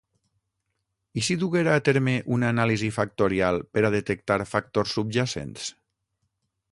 I si duguera a terme una anàlisi factorial per a detectar factors subjacents?